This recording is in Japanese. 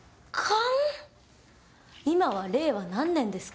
今は令和何年ですか？